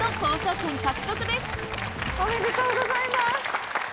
おめでとうございます。